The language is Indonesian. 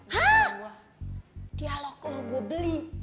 hah wah dialog lo gue beli